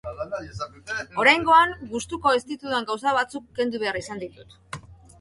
Oraingoan, gustuko ez ditudan gauza batzuk kendu behar izan ditut.